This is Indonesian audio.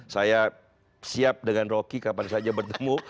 saya siap dengan rocky kapan saja bertemu